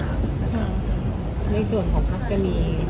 ค่อนข้างในเกิดของหลายยกอะไรไหม